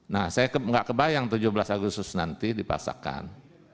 nah saya nggak kebayang tujuh belas agustus nanti dipaksakan